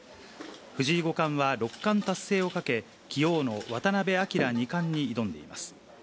藤井五冠は六冠達成をかけ、棋王の渡辺明二冠に挑んでいます。